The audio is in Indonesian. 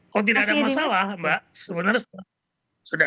kalau tidak ada masalah mbak sebenarnya sudah